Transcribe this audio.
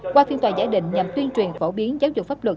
qua phiên tòa giải định nhằm tuyên truyền phổ biến giáo dục pháp luật